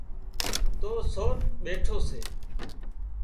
تو سور ٻيٺو سي